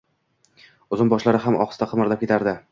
uzum boshlari ham ohista qimirlab ketardi…